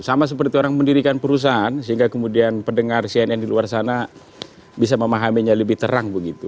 sama seperti orang mendirikan perusahaan sehingga kemudian pendengar cnn di luar sana bisa memahaminya lebih terang begitu